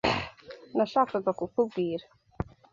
Nashakaga kukubwira.